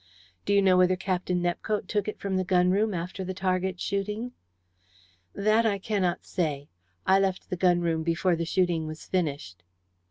"Do you know whether Captain Nepcote took it from the gun room after the target shooting?" "That I cannot say. I left the gun room before the shooting was finished."